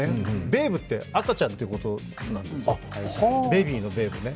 ベーブって赤ちゃんってことなんですよ、ベビーのベーブね。